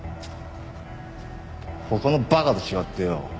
他の馬鹿と違ってよ